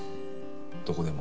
どこでも。